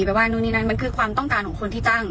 ว่านู่นนี่นั่นมันคือความต้องการของคนที่ตั้ง